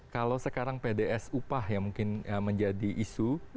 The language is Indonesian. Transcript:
kalau sekarang pds upah yang mungkin menjadi isu